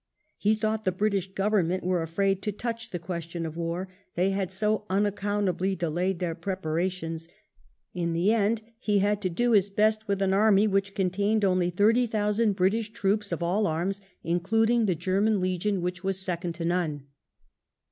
He thought the British Government were afraid " to touch the question of war," they had so "unaccountably delayed their preparations." In the end, he had to do his best with an army which IX NAPOLEON S BOLD STROKE 207 contained only thirty thousand British troops of all arms, including the Grennan Legion which was second to none.